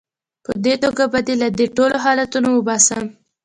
په دې توګه به دې له دې ټولو حالتونو وباسم.